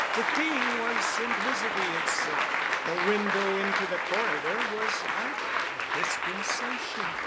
The thing was simplicity itself. The window into the corridor was like a dispensation.